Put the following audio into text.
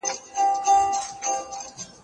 زه هره ورځ سفر کوم؟